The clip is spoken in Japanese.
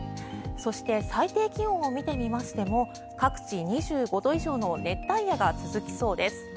そして、最低気温を見てみましても各地２５度以上の熱帯夜が続きそうです。